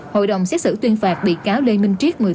hội đồng xét xử tuyên phạt bị cáo lê minh triết